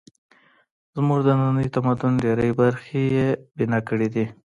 زموږ د ننني تمدن ډېرې برخې یې بنا کړې دي.